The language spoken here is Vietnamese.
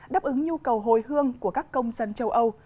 đáp ứng nhu cầu hồi hương của các công dân châu âu